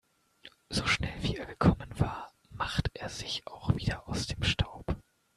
So schnell wie er gekommen war, macht er sich auch wieder aus dem Staub.